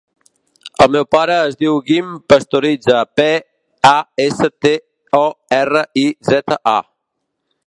El meu pare es diu Guim Pastoriza: pe, a, essa, te, o, erra, i, zeta, a.